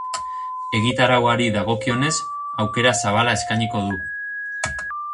Egitarauari dagokionez, aukera zabala eskainiko du.